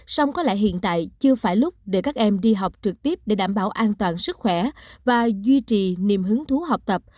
xong có lẽ hiện tại chưa phải lúc để các em đi học trực tiếp để đảm bảo an toàn sức khỏe và duy trì niềm hứng thú học tập